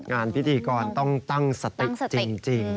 งานพิธีกรต้องตั้งสติจริง